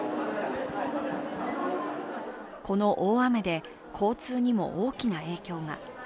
この大雨で交通にも大きな影響が。